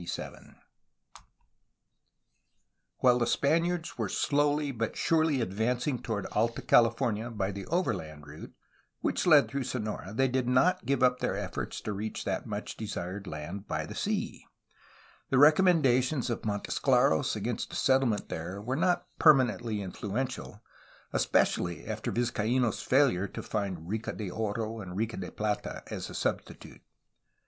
I CHAPTER XIII SEA APPROACHES FROM NEW SPAIN TO CALIFORNIA, 1615 1697 While the Spaniards were slowly but surely advancing toward Alta California by the overland route, which led through Sonora, they did not give up their efforts to reach that much desired land by sea. The recommendations of Montesclaros against a settlement there were not perma nently influential, especially after Vizcaino^s failure to find Rica de Oro and Rica de Plata as a substitute.